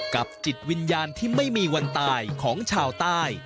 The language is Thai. จิตวิญญาณที่ไม่มีวันตายของชาวใต้